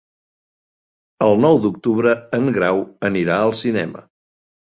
El nou d'octubre en Grau anirà al cinema.